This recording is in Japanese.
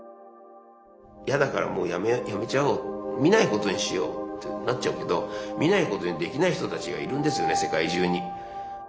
嫌だからもう辞めちゃおう見ないことにしようってなっちゃうけど見ないことにできない人たちがいるんですよね世界中に。